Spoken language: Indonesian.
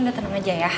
udah tenang aja ya